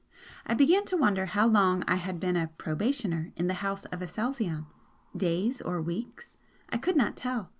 I began to wonder how long I had been a 'probationer' in the House of Aselzion? Days or weeks? I could not tell.